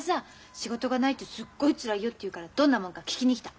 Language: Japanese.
仕事がないとすっごいつらいよって言うからどんなもんか聞きに来た。